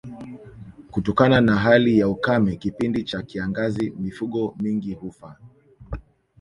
Kutokana na hali ya ukame kipindi cha kiangazi mifugo mingi hufa